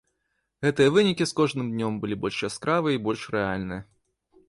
Гэтыя вынікі з кожным днём былі больш яскравыя і больш рэальныя.